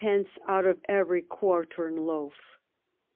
out of every quartern loaf